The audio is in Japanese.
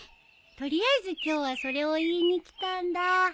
取りあえず今日はそれを言いに来たんだ。